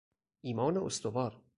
ایمان استوار